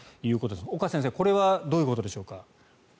岡先生、これはどういうことでしょうか？